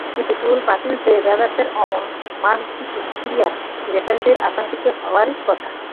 কিন্তু গোল বাতিল চেয়ে ব্রাদার্সের অমন মারমুখী প্রতিক্রিয়ায় রেফারিদের আতঙ্কিত হওয়ারই কথা।